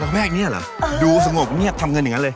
แล้วแม่งเนี่ยเหรอดูสงบเงียบทำกันอย่างนี้เลย